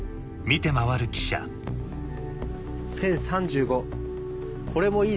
１０３５これもＥですね。